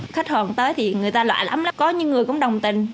khách hàng tới thì người ta loại lắm có những người cũng đồng tình